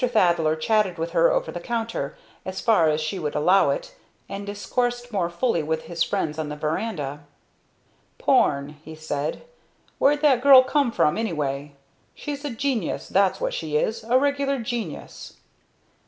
Thaddler chatted with her over the counter, as far as she would allow it, and discoursed more fully with his friends on the verandah. "Porne," he said, "where'd that girl come from anyway? She's a genius, that's what she is; a regular genius."